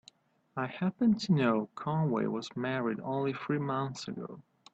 I happen to know Conway was married only three months ago.